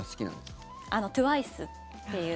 ＴＷＩＣＥっていう。